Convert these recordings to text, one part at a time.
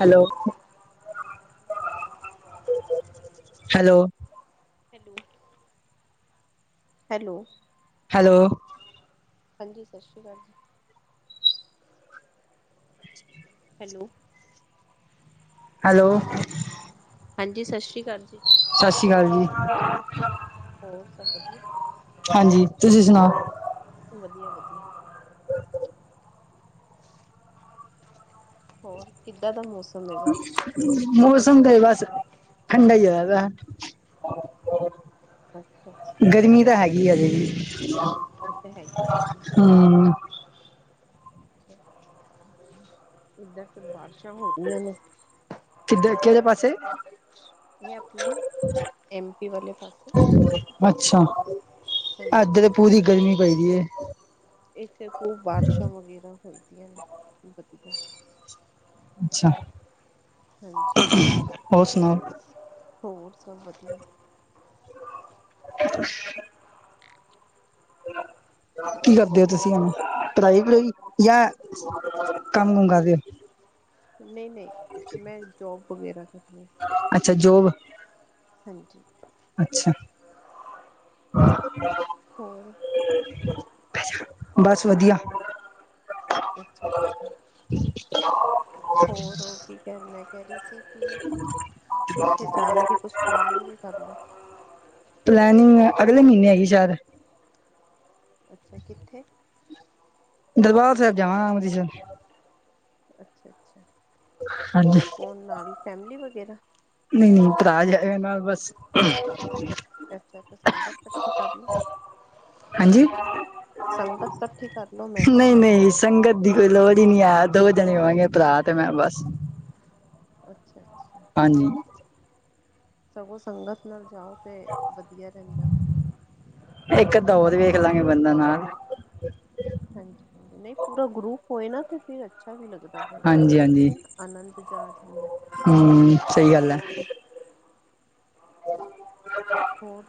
Hello [unintelligible] hello! Hello hello hello ਹਾਂਜੀ ਸਤਿ ਸ਼੍ਰੀ ਕਾਲ ਜੀ। ਹੈਲੋ ਹੈਲੋ ਹਾਂਜੀ ਸਤਿ ਸ਼੍ਰੀ ਕਾਲ ਜੀ। ਸਤਿ ਸ਼੍ਰੀ ਕਾਲ ਜੀ ਹੋਰ ਸਭ ਵਧੀਆ ਹਾਂਜੀ ਤੁਸੀਂ ਸੁਨਾਓ ਵਧੀਆ ਵਧੀਆ। [inaudible] ਹੋਰ ਕਿੱਦਾਂ ਦਾ ਮੌਸਮ? ਹੈਗਾ [inaudible] ਮੌਸਮ ਤੇ ਬਸ ਠੰਡਾ ਹੋਇਆ ਪਾਇਆ [unintelligible] ਅੱਛਾ ਅੱਛਾ ਗਰਮੀ ਤਾ ਹੈਗੀ ਆ ਹਾਜੇ ਵੀ ਇੱਥੇ ਹੈਗੀ [unintelligible] ਹਮੱ [unintelligible] ਏਧਰ ਤੇ ਬਾਰਿਸ਼ਾਂ ਹੋ ਰਹੀਆਂ ਨੇ ਕਿਧਰ ਕਿਹਰੇ ਪਾਸੇ ਇਹ ਆਪਨੇ ਐਮ ਪੀ ਵਾਲੇ ਪਾਸੇ। ਅੱਛਾ ਹਾਂਜੀ ਏਦਰ ਪੂਰੀ ਗਰਮੀ ਪਾਈ ਦੀ ਏ ਏਥੇ ਖੂਬ ਬਾਰਸ਼ਾਂ ਵਗੈਰਾ ਹੋਦੀਆਂ ਨੇ ਵਧੀਆ ਅੱਛਾ। ਹਾਂਜੀ ਹੋਰ ਸੁਣਾਓ? ਹੋਰ ਸਭ ਵਧੀਆ [unintelligible] ਕੀ ਕਰਦੇ ਹੋ ਹੋਰ ਤੁਸੀਂ ਹਨ ਪੜਾਈ ਪੜੂਈ ਯਾ ਕੰਮ ਕੁਮ ਕਰਦੇ ਨਹੀਂ ਨਹੀਂ ਮੈਂ ਜੋਬ ਵਗੈਰਾ ਕਰਨੀ ਅੱਛਾ ਜੋਬ ਹਾਂਜੀ ਅੱਛਾ ਹਾਂ ਹੋਰ [unintelligible] ਬਸ ਵਧੀਆ ਅੱਛਾ ਅੱਛਾ [inaudible] ਹੋਰ ਹੋ ਕੀ ਮੈ ਕਹਿ ਰਹੀ ਸੀ ਕਿ ਕਿਥੇ ਜਾ ਨ ਕੁਛ ਪਲੈਨਿੰਗ ਹੀ ਕਰ ਲੋ ਪਲੈਨਿੰਗ ਅਗਲੇ ਮੀਹਨੇ ਹੈਗੀ ਸ਼ੈਦ ਅੱਛਾ ਕਿੱਥੇ ਦਰਬਾਰ ਸਾਹਿਬ ਜਾਵਾਂ ਅੰਮ੍ਰਿਤਸਰ ਅੱਛਾ ਅੱਛਾ ਹਾਂਜੀ ਹੋਣ ਨਾਲ ਫੈਮਿਲੀ ਵਗੈਰਾ ਨਹੀਂ ਨਹੀਂ ਭਰਾ ਜਾਏ ਨਾਲ ਬਸ ਅੱਛਾ ਤੇ ਸੰਗਤ ਇਕੱਠੀ ਕਰ ਲੋ ਹਾਂਜੀ ਸੰਗਤ ਇਕੱਠੀ ਕਰ ਲਓ ਮੈਂ ਕਿਹਾ ਨਹੀਂ ਨਹੀਂ ਸੰਗਤ ਦੀ ਕੋਈ ਲੋੜ ਹੀ ਨਹੀਂ ਆਇਆ ਦੋ ਜਣੇ ਹੋਣਗੇ ਭਰਾ ਤੇ ਮੈਂ ਬਸ ਅੱਛਾ ਅੱਛਾ ਹਾਂਜੀ ਸਗੋਂ ਸੰਗਤ ਨਾਲ ਜਾਓ ਤੇ ਵਧੀਆ ਰਹਿੰਦਾ ਹੈ ਇੱਕ ਅਧ ਹੋਰ ਵੇਖ ਲਾਂਗੇ ਬੰਦਾ ਨਾਲ ਹਾਂਜੀ ਨਹੀਂ ਪੂਰਾ ਗਰੁਪ ਹੋਏ ਨਾ ਤੇ ਫਿਰ ਅੱਛਾ ਅੱਛਾ ਵੀ ਲੱਗਦਾ ਫਿਰ ਜਾ ਹਾਂਜੀ ਨ ਆਨੰਦ ਚ ਜਾ ਜਾਂਦਾ ਹੂ ਸਹੀ ਗੱਲ ਹੈ [unintelligible] ਹੋਰ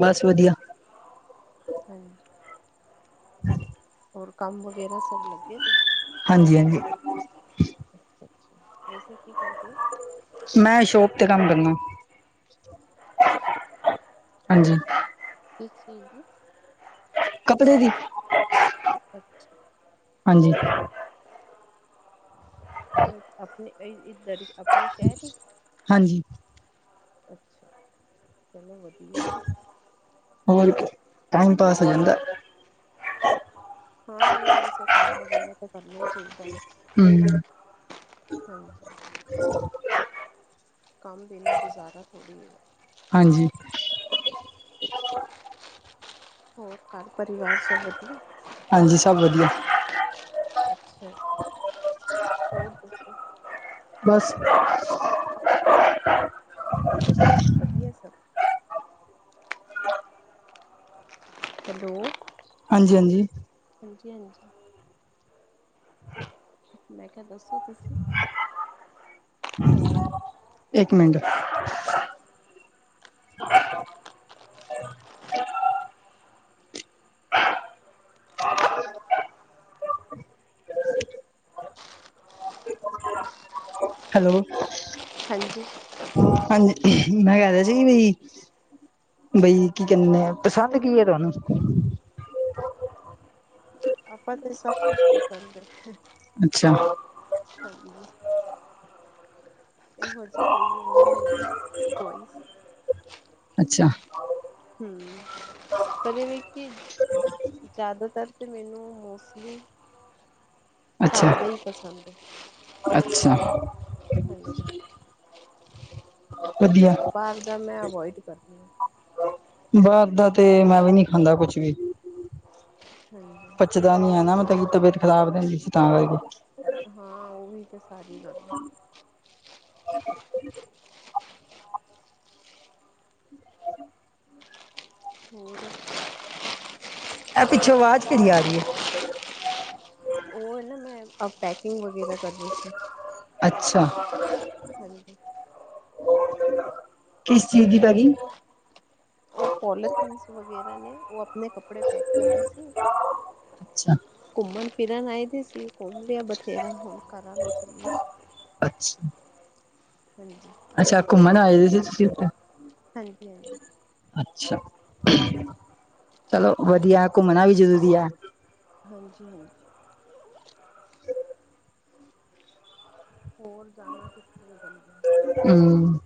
ਬਸ ਵਧੀਆ ਹਾਂਜੀ [inaudible] ਹੋਰ ਕੰਮ ਵਗੈਰਾ ਸਭ ਲੱਗੇ ਦੇ ਹਾਂਜੀ ਹਾਂਜੀ ਵੈਸੇ ਕੀ ਕਰਦੇ ਮੈਂ ਸ਼ੋਪ ਤੇ ਕੰਮ ਕਰਨਾ ਅੱਛਾ ਹਾਂਜੀ ਕਿਸ ਚੀਜ਼ ਜੀ ਕੱਪੜੇ ਦੀ ਅੱਛਾ ਹਾਂਜੀ ਆਪਣੇ ਇੱਧਰ ਹੀ ਆਪਣੇ ਸ਼ਹਿਰ ਹੀ ਹਾਂਜੀ ਅੱਛਾ ਅੱਛਾ ਚਲੋ ਵਧੀਆ ਹੋਰ ਕੀ ਟਾਈਮ ਪਾਸ ਹੋ ਜਾਂਦਾ ਹੈ ਹਾਂ ਨਹੀਂ ਵੈਸੇ ਕੰਮ ਵਗੈਰਾ ਤਾਂ ਕਰਨਾ ਹੀ ਚਾਹੀਦਾ ਹਮ ਹਾਂਜੀ ਕੰਮ ਦੇਣਾ ਗੁਜ਼ਾਰਾ ਥੋੜੀ ਹੈ ਹਾਂਜੀ ਹੋਰ ਘਰ ਪਰਿਵਾਰ ਸਭ ਵਧੀਆ ਹਾਂਜੀ ਸਭ ਵਧੀਆ ਅੱਛਾ ਹੋਰ ਦੱਸੋ ਬਸ ਵਧੀਆ ਸਭ ਹੈਲੋ ਹਾਂਜੀ ਹਾਂਜੀ ਹਾਂਜੀ ਹਾਂਜੀ ਮੈਂ ਕਿਹਾ ਦੱਸੋ ਤੁਸੀਂ ਹੋਰ ਇੱਕ ਮਿੰਟ [inaudible] ਹੈਲੋ ਹਾਂਜੀ ਹਾਂਜੀ ਮੈਂ ਕਹਿ ਰਿਹਾ ਸੀ ਬੀ ਬਈ ਕੀ ਕਹੇ ਆ ਪਸੰਦ ਕੀ ਹੈ ਤੁਹਾਨੂੰ ਆਪਾਂ ਤੇ ਸਭ ਕੁਛ ਪਸੰਦ ਹਾਂਜੀ ਅੱਛਾ, ਇਹੋ ਜਿਹੀ ਕੋਈ ਉਹ ਨਹੀਂ ਹੈਗੀ ਚੋਇਸ ਅੱਛਾ ਹਮ ਪਰਦੇ ਦੇੀ ਜ਼ਿਆਦਾਤਰ ਤਾਂ ਮੈਨੂੰ ਮੋਸਟਲੀ ਘਰ ਅੱਛਾ, ਦਾ ਈ ਪਸੰਦ ਹੈ ਅੱਛਾ। ਹਾਂਜੀ ਵਧੀਆ ਬਾਹਰ ਦਾ ਮੈਂ ਅਵੋਇਡ ਕਰੀ ਆ ਬਾਹਰ ਦਾ ਤੇ ਮੈਂ ਵੀ ਨਹੀਂ ਖਾਂਦਾ ਕੁਛ ਵੀ ਹਾਂਜੀ ਪੱਚਦਾ ਨੀ ਹੈ ਨਾ ਮਤਲਬ ਕਿ ਤਬੀਅਤ ਖਰਾਬ ਰਹਿੰਦੀ ਸੀ ਤਾਂ ਕਰਕੇ ਹਾਂ ਉਹ ਵੀ ਤੇ ਸਾਰੀ ਗੱਲ ਹੋਰ ਇਹ ਪਿੱਛੋਂ ਆਵਾਜ਼ ਕਿਹਦੀ ਆ ਰਹੀ ਹੈ। ਉਹ ਇਹ ਮੈਂ ਆਪ ਪੈਕਿੰਗ ਵਗੈਰਾ ਕਰਦੇ ਸੀ ਅੱਛਾ। ਹਾਂਜੀ ਕਿਸ ਚੀਜ਼ ਦੀ ਪੈਕਿੰਗ ਉਹ ਪੋਲੀਥੀਨਸ ਵਗੈਰਾ ਨੇ ਉਹ ਆਪਣੇ ਕੱਪੜੇ ਪੈਕ ਕਰ ਰਹੀ ਸੀ ਅੱਛਾ, ਘੁੰਮਣ ਫਿਰਨ ਆਏ ਦੀ ਸੀ ਘੁੰਮ ਲਿਆ ਬਥੇਰਾ ਹੋਣਾ ਚਲੀਏ ਅੱਛਾ, ਘਰ ਨੂੰ ਅੱਛਾ ਘੁੰਮਣ ਆਏ ਸੀ ਤੁਸੀਂ ਉਥੇ ਹਾਂਜੀ ਹਾਂਜੀ ਅੱਛਾ ਚਲੋ ਵਧੀਆ ਘੁੰਮਣਾ ਵੀ ਜ਼ਰੂਰੀ ਆ ਹਾਂਜੀ ਹਾਂਜੀ ਹੋਰ ਜਾਣਾ ਕਿੱਥੇ ਬੰਦੇ ਹਮ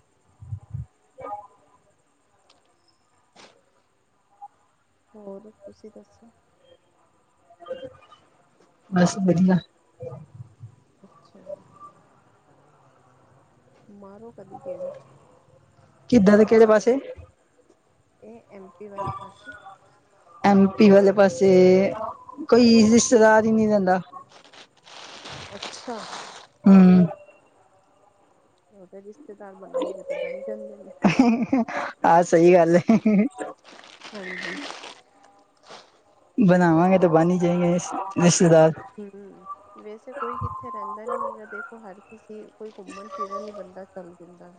ਹੋਰ ਤੁਸੀਂ ਦੱਸੋ ਬਸ ਵਧੀਆ ਅੱਛਾ ਜੀ ਮਾਰੋ ਕਦੀ ਗੇੜਾ ਕਿੱਦਾਂ ਦੇ ਕਿਹੜੇ ਪਾਸੇ ਇਹ ਐਮ ਪੀ ਵਾਲੇ ਪਾਸੇ ਐਮ ਪੀ ਵਾਲੇ ਪਾਸੇ ਕੋਈ ਰਿਸ਼ਤੇਦਾਰ ਹੀ ਨਹੀਂ ਰਹਿੰਦਾ ਅੱਛਾ ਹਮ। ਉਹਦੇ ਰਿਸ਼ਤੇਦਾਰ ਬਣਾਓਗੇ ਤੇ ਬਣ ਜਾਂਦੇ ਨੇ। ਆ ਸਹੀ ਗੱਲ ਏ। ਹਾਂਜੀ। ਬਣਾਵਾਂਗੇ ਤਾ ਬਣ ਈ ਜਾਏੇਂਗੇ, ਰਿਸ਼-ਰਿਸ਼ਤੇਦਾਰ। ਹਮ ਵੈਸੇ ਕੋਈ ਕਿੱਥੇ ਰੈਂਦਾ ਨੀ ਹੈਗਾ, ਦੇਖੋ ਹਰ ਕਿਸੇ ਕਿ ਕੋਈ ਘੁੰਮਣ ਫਿਰਨ ਹੀ ਬੰਦਾ ਚੱਲ ਦਿੰਦਾ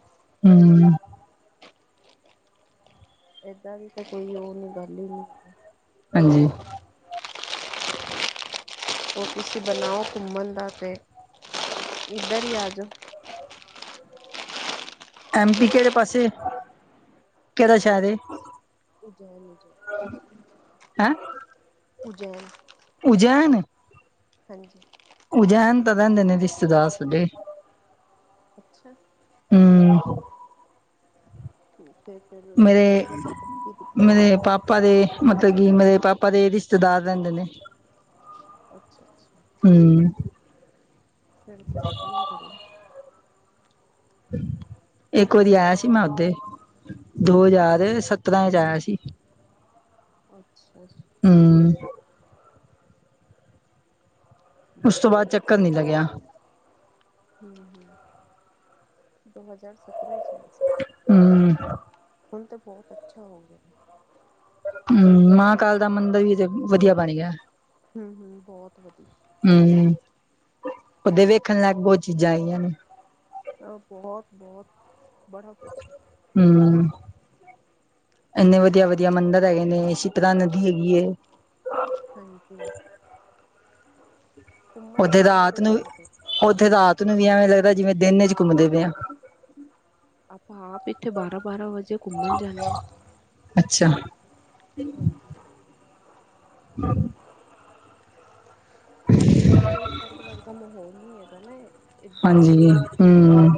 ਹਮ ਏਦਾਂ ਦੀ ਤਾਂ ਕੋਈ ਉਹ ਨ ਗੱਲ ਹੀ ਨਹੀਂ ਹੈ ਹਾਂਜੀ ਉਹ ਤੁਸੀਂ ਬਣਾਓ ਘੁੰਮਣ ਦਾ ਤੇ ਇੱਧਰ ਹੀ ਆ ਜਾਓ ਐਮ ਪੀ ਕਿਹੜੇ ਪਾਸੇ ਕਿਹੜਾ ਸ਼ਹਿਰ ਏ ਉਜੈਨ ਉਜੈਨ ਹੈਂ ਓਜੈਨ ਉਜੈਨ ਹਾਂਜੀ ਉਜੈਨ ਤਾਂ ਰਹਿੰਦੇ ਨੇ ਰਿਸ਼ਤੇਦਾਰ ਮੇਰੇ ਅੱਛਾ। ਹਮ। ਠੀਕ ਐ ਫੇਰ, ਜੇ ਕੈਂਦੇ ਨੇ ਤੇ ਕੀ ਦਿੱਕਤ ਐ, ਆ ਜਾਓ। ਪਾ ਦੇ ਮਤਲਬ ਕਿ ਮੇਰੇ ਪਾਪਾ ਦੇ ਰਿਸ਼ਤੇਦਾਰ ਰੈਂਦੇ ਨੇ। ਅੱਛਾ ਅੱਛਾ। ਹਮ। ਫਿਰ ਤੇ ਵਧੀਆ ਗੱਲ ਐ। ਇੱਕ ਵਾਰੀ ਆਇਆ ਸੀ ਮੈਂ ਓਦੇ, ਦੋ ਹੂੰ ਹੂੰ ਹਜਾ਼ਰ ਸਤਰਾਂ ਚ ਆਇਆ ਸੀ। ਅੱਛਾ ਜੀ। ਹਮ। ਉਸ ਤੋਂ ਬਾਦ ਵਧੀਆ ਚੱਕਰ ਨੀ ਲੱਗਿਆ। ਹਮ ਹਮ, ਦੋ ਹਜ਼ਾਰ ਸਤਰਾਂ ਇਚ ਆਏ ਸੀ। ਹਮ ਹੁਣ ਤਾ ਬਹੁਤ ਅੱਛਾ ਹੋ ਗਿਆ। ਹਮ, ਮਹਾਂ ਕਾਲ ਦਾ ਮੰਦਰ ਵੀ ਤੇ ਵਧੀਆ ਬਣ ਗਿਆ। ਹਮ ਹਮ, ਬਹੁਤ ਵਧੀਆ। ਹਮ ਓਦੇ ਵੇਖਣ ਲੈਕ ਬਹੁਤ ਚੀਜ਼ਾਂ ਆਈਆਂ ਨੇ। ਹਾ ਬਹੁਤ ਬਹੁਤ ਬੜਾ ਕੁਛ ਐ। ਹਮ। ਇੰਨੇ ਵਧੀਆ ਵਧੀਆ ਮੰਦਿਰ ਹੈਗੇ ਨੇ, ਸ਼ੀਤਲਾ ਨਦੀ ਹੈਗੀ ਐ। ਹਾਂਜੀ। ਘੁੰਮਣ ਉੱਥੇ ਫਿਰਨਾ ਤੇ ਰਾਤ ਨੂੰ ਵੀ, ਬੜਾ ਵੇ ਉੱਥੇ ਰਾਤ ਨੂੰ ਵੀ ਐਵੇਂ ਲੱਗਦਾ ਜਿਵੇਂ ਦਿਨ ਇਚ ਘੁੰਮਦੇ ਪਏ ਆਂ। ਆਪਾਂ ਆਪ ਇੱਥੇ ਬਾਰਾਂ ਬਾਰਾਂ ਵਜੇ ਘੁੰਮਣ ਜਾਂਨੇ ਆਂ। ਹਾਂਜੀ, [inaudible] ਯਾਰ ਓਸ ਸਾਈਡ ਵਰਗਾ ਮਹੌਲ ਨੀ ਹੈਗਾ ਨਾ ਇਹ। ਹਾਂਜੀ, ਹਮ।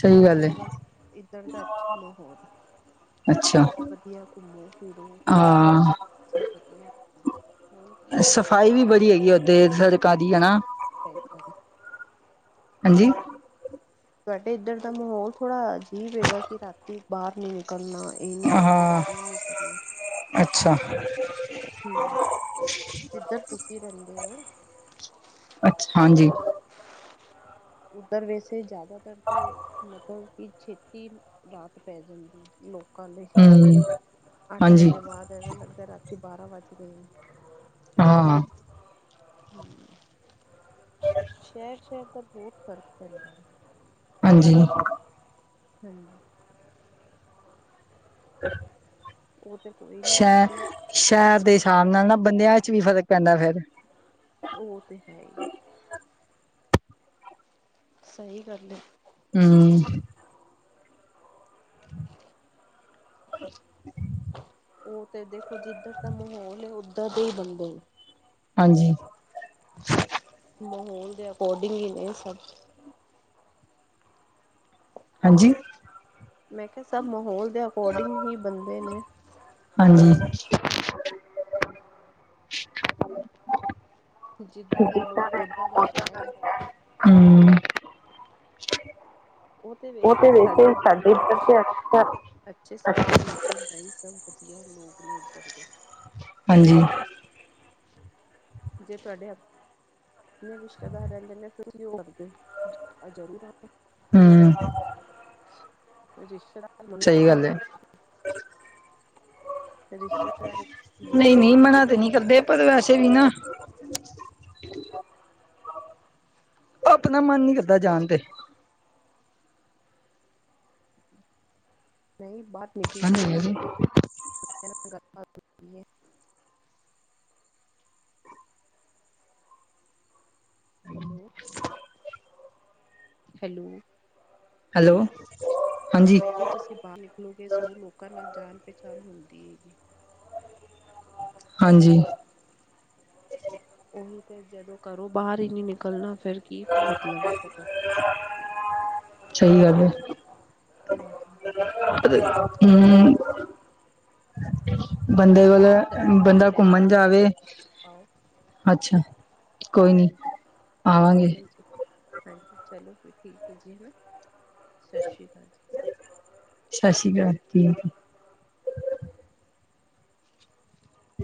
ਸਹੀ ਗੱਲ ਏ ਇੱਧਰ ਦਾ, ਇੱਧਰ ਦਾ ਅੱਛਾ ਮਹੌਲ ਐ। ਅੱਛਾ ਵਧੀਆ ਘੁੰਮੋ ਫਿਰੋ, ਹਾਂ ਸਭ ਵਧੀਆ। ਹੋਰ ਕੀ, ਉੱਧਰ ਸਫ਼ਾਈ ਤਾਂ ਵੀ ਬੜੀ ਹੈਗੀ ਓਦੇ ਸੜਕਾਂ ਦੀ ਹਨਾ [unintelligible] ਹਾਂਜੀ? ਤੁਆਡੇ ਇੱਧਰ ਦਾ ਮਹੌਲ ਥੋੜ੍ਹਾ ਅਜੀਬ ਹੈਗਾ, ਕਿ ਰਾਤੀ ਬਾਰ ਨੀ ਨਿਕਲਣਾ। ਏ ਇਹ ਨੀ ਕਰਨਾ, ਹਾਂ ਉਹ ਨੀ ਕਰਨਾ। ਅੱਛਾ। ਹਮ, ਜਿੱਧਰ ਤੁਸੀਂ ਰੈਂਦੇ ਓ। ਅੱਛਾ ਹਾਂਜੀ। ਉੱਧਰ ਵੈਸੇ ਜ਼ਿਆਦਾਤਰ ਤੇ, ਮਤਲਬ ਕਿ ਛੇਤੀ ਰਾਤ ਪੈ ਜਾਂਦੀ, ਲੋਕਾਂ ਲਈ। ਹਮ ਅੱਠ ਹਾਂਜੀ ਵਜੇ ਬਾਅਦ ਐਵੇਂ ਲੱਗਦਾ ਐ, ਰਾਤੀ ਬਾਰਾਂ ਵੱਜ ਗਏ ਏ। ਹਾਂ ਹਾਂ। ਹਾਂ ਸ਼ਹਿਰ ਸ਼ਹਿਰ ਦਾ ਬਹੁਤ ਫ਼ਰਕ ਪੈਂਦਾ ਹੈ। ਹਾਂਜੀ। ਹਾਂਜੀ। [inaudible] ਓਹ ਤੇ ਕੋਈ ਨੀ ਸ਼ਹਿ ਤੁਸੀਂ ਸ਼ਹਿਰ ਦੇ ਸਾਬ ਨਾਲ ਨਾ, ਬੰਦਿਆਂ ਇਚ ਵੀ ਫ਼ਰਕ ਪੈਂਦਾ ਫਿਰ। ਉਹ ਤੇ ਹੈ ਈ। ਸਹੀ ਗੱਲ ਏ। ਹਮ। ਅ। ਉਹ ਤੇ ਦੇਖੋ। ਜਿੱਧਰ ਦਾ ਮਾਹੌਲ ਹੈ। ਉੱਧਰ ਦੇ ਹੀ ਬੰਦੇ। ਹਾਂਜੀ। ਮਾਹੌਲ ਦੇ ਅਕੋਰਡਿੰਗ ਹੀ ਨੇ ਸਭ। ਹਾਂਜੀ। ਮੈਂ ਕਿਹਾ ਸਭ ਮਾਹੌਲ ਦੇ ਅਕੋਰਡਿੰਗ ਹੀ ਬੰਦੇ ਨੇ। ਹਾਂਜੀ। ਜਿੱਦਾਂ ਦੇ ਲੋਕ ਉਦਾਂ ਦਾ ਸ਼ਹਿਰ। ਹੂੰ। ਉਹ ਤੇ ਵੈਸੇ ਸਾਡੇ ਇੱਧਰ ਤੇ ਅੱਛਾ ਅੱਛੇ ਸਭ ਦਾ ਅੱਛਾ ਨੇਚਰ। ਇਧਰ ਬਾਈ ਸਭ ਵਧੀਆ ਲੋਕ ਨੇ ਇੱਧਰ ਦੇ। ਹਾਂਜੀ। ਜੇ ਤੁਹਾਡੇ ਆਪਣੇ। ਜਿਹਦੇ ਨੇ ਰਿਸ਼ਤੇਦਾਰ ਰਹਿੰਦੇ ਨੇ ਫਿਰ ਵੀ ਉਹ ਕਰਦੇ ਆਜਾ ਨਹੀਂ ਵਾਪਸ। ਹੂੰ। ਰਿਸ਼ਤੇਦਾਰ। ਮਨਾ ਸਹੀ ਗੱਲ ਕਰਦੇ ਹੈ। ਨੇ ਰਿਸ਼ਤੇਦਾਰ ਨਹੀਂ ਬੁਲਾਉਂਦੇ ਨਹੀਂ ਨੇ ਕਿ ਮਨਾ ਤੇ ਨਹੀਂ ਤੁਹਾਨੂੰ ਕਰਦੇ ਪਰ ਵੈਸੇ ਵੀ ਨਾ। ਉਹ ਆਪਣਾ ਮਨ ਨੀ ਕਰਦਾ ਜਾਣ ਤੇ। ਨਹੀਂ ਬਾਕੀ। ਹਾਂਜੀ ਹੈਗੀ ਜੀ। Hello hello. ਹੈਲੋ ਹਾਂਜੀ। ਮੈਂ ਕਿਹਾ ਤੁਸੀਂ ਬਾਹਰ ਨਿਕਲੋਗੇ ਸੋ ਲੋਕਾਂ ਨਾਲ ਜਾਣ ਪਹਿਚਾਣ ਮਿਲਦੀ ਹੈ। ਹਾਂਜੀ। ਉਹੀ ਤੇ ਜਦੋਂ ਘਰੋਂ ਬਾਹਰ ਹੀ ਨਹੀਂ ਨਿਕਲਣਾ। ਫਿਰ ਕੀ ਮਤਲਬ ਹੈਗਾ। ਸਹੀ ਗੱਲ ਹੈ। ਹਾਂਜੀ। ਹੂੰ। ਬੰਦੇ ਕੋਲ ਕੋਈ ਨੀ ਤੁਸੀਂ ਬੰਦਾ ਪਲੈਨਿੰਗ ਘੁੰਮਣ ਕਰੋ ਜਾਵੇ ਆਓ ਅੱਛਾ। ਕੋਈ ਨੀ ਹਾਂਜੀ ਆਵਾਂਗੇ। ਚਲੋ ਜੀ ਹਾਂਜੀ ਚਲੋ ਫਿਰ ਠੀਕ ਹੈ ਜੀ ਹੈ ਸਤਿ ਸ਼੍ਰੀ ਅਕਾਲ ਜੀ। ਸਤਿ ਸ਼੍ਰੀ ਅਕਾਲ ਠੀਕ ਹੈ।